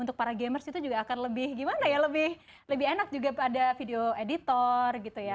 untuk para gamers itu juga akan lebih gimana ya lebih enak juga pada video editor gitu ya